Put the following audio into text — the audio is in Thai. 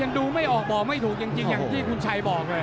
ดูไม่ออกบอกไม่ถูกจริงอย่างที่คุณชัยบอกเลย